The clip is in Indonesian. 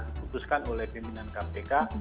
ditutupkan oleh pimpinan kpk